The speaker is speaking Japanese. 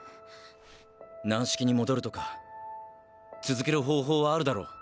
軟式に戻るとか続ける方法はあるだろ。